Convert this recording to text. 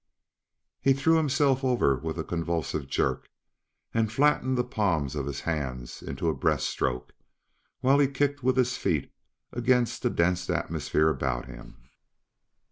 He threw himself over with a convulsive jerk and flattened the palms of his hands in a breaststroke, while he kicked with his feet against the dense atmosphere about him.